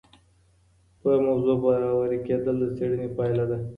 په موضوع باوري کيدل د څېړني پایله ده.